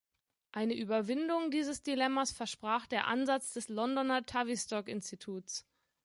Eine Überwindung dieses Dilemmas versprach der Ansatz des Londoner Tavistock-Instituts.